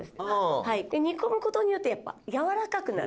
「煮込む事によってやっぱやわらかくなる」